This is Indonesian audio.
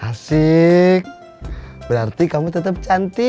asik berarti kamu tetap cantik